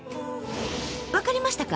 分かりましたか？